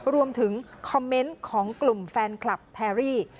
รวมถึงคอมเมนต์ของกลุ่มแฟนคลับแพรรี่